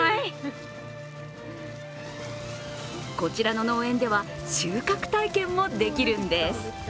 こちらの農園では収穫体験もできるんです。